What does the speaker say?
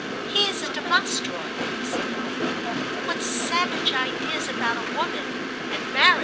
"He is a Domostroy,"[*] said the lady. "What savage ideas about a woman and marriage!"